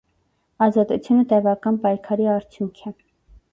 Ազատությունը տևական պայքարի արդյունք է։